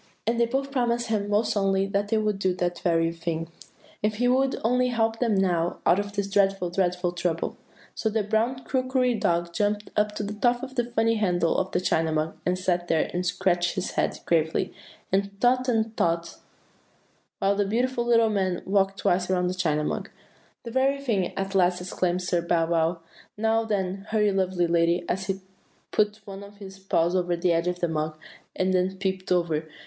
"And they both promised him most solemnly that they would do that very thing, if he would only help them now out of this dreadful, dreadful trouble. So the brown crockery dog jumped up to the top of the funny, twisted handle of the China Mug, and sat there and scratched his head very gravely, and thought and thought, while the beautiful little man walked twice around the China Mug. 'The very thing!' at last exclaimed Sir Bow wow. 'Now, then, hurry, lovely lady,' and he put one of his paws over the top of the mug, and then peeped over.